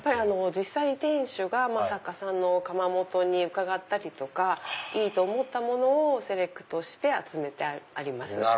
実際に店主が作家さんの窯元に伺ったりとかいいと思ったものをセレクトして集めてあります。